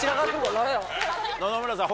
野々村さん